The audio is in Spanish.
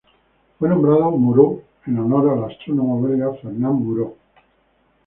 Fue nombrado Moreau en honor al astrónomo belga Fernand Moreau.